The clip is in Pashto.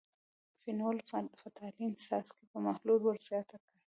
فینول – فتالین څاڅکي په محلول ور زیات کړئ.